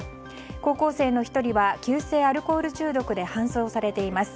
高校生の１年は急性アルコール中毒で搬送されています。